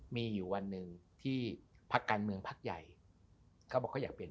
มีอยู่วันหนึ่งที่พักการเมืองพักใหญ่เขาบอกเขาอยากเปลี่ยน